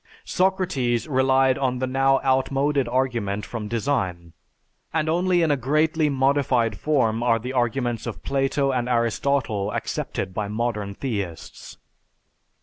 Socrates relied on the now outmoded argument from design; and only in a greatly modified form are the arguments of Plato and Aristotle accepted by modern theists.